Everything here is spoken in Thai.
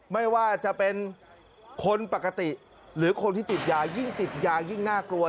ไม่ว่าจะเป็นคนปกติหรือคนที่ติดยายิ่งติดยายิ่งน่ากลัว